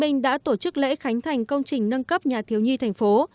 tp hcm đã tổ chức lễ khánh thành công trình nâng cấp nhà thiếu nhi thành phố